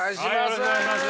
お願いします。